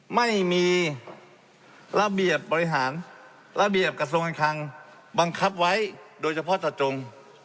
ไม่มีระเบียบกระทรวงการคังบังคับไว้โดยเฉพาะตะจง